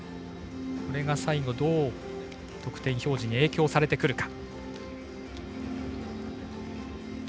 これが最後、どう得点表示に影響してくるか。１２．６００。